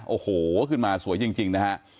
โอ้โหขึ้นมาสวยจริงนะฮะ